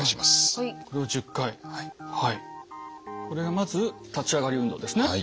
これはまず立ち上がり運動ですね。